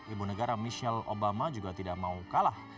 ibu negara michelle obama juga tidak mau kalah